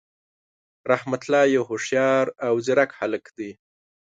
رحمت الله یو هوښیار او ځیرک هللک دی.